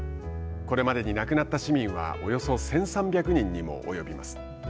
これまでに亡くなった市民はおよそ１３００人にも及びます。